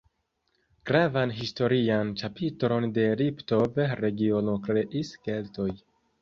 Gravan historian ĉapitron de Liptov-regiono kreis Keltoj.